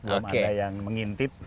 belum ada yang mengintip